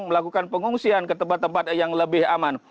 melakukan pengungsian ke tempat tempat yang lebih aman